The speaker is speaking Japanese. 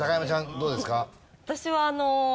どうですか？